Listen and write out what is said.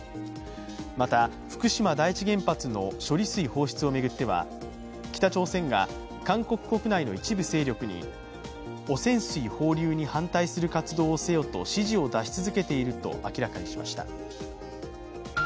また、福島第一原発の処理水放出を巡っては北朝鮮が韓国国内の一部勢力に、汚染水放流に反対する活動をせよと指示を出し続けていると明らかにしました。